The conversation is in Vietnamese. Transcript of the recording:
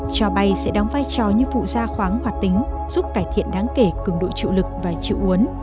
cho bay sẽ đóng vai trò như phụ gia khoáng hoạt tính giúp cải thiện đáng kể cường độ chịu lực và chịu uốn